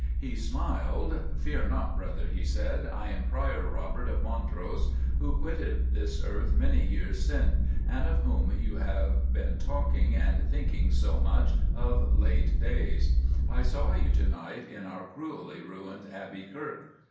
"He smiled. 'Fear not, brother,' he said, 'I am Prior Robert of Montrose who quitted this earth many years syne, and of whom you have been talking and thinking so much of late days. I saw you to night in our cruelly ruined Abbey Kirk.